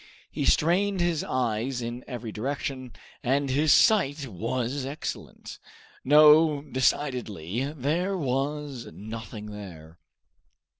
He strained his eyes in every direction, and his sight was excellent. No, decidedly there was nothing there.